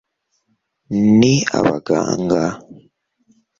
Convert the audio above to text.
ni abaganga